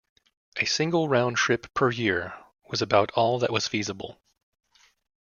A single round trip per year was about all that was feasible.